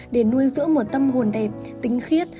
để nuôi giữa một tâm hồn đẹp tinh khiết